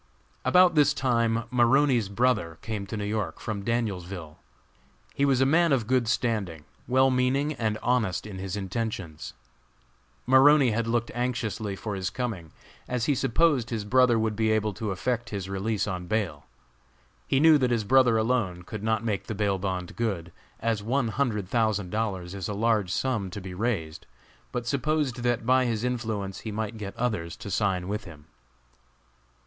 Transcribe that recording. About this time Maroney's brother came to New York, from Danielsville. He was a man of good standing, well meaning, and honest in his intentions. Maroney had looked anxiously for his coming, as he supposed his brother would be able to effect his release on bail. He knew that his brother alone could not make the bail bond good, as one hundred thousand dollars is a large sum to be raised, but supposed that by his influence he might get others to sign with him.